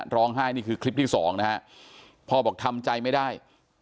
นี่คือคลิปที่สองนะฮะพ่อบอกทำใจไม่ได้